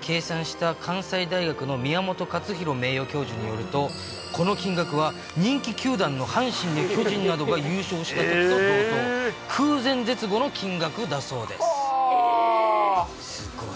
計算した関西大学の宮本勝浩名誉教授によると、この金額は、人気球団の阪神や巨人などが優勝したときと同等、空前絶後の金額すごい。